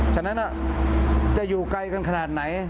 ฉะนั้นจะอยู่ไกลกันขนาดไหน